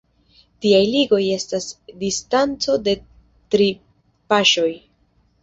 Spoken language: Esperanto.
Tiaj ligoj estas en distanco de tri paŝoj.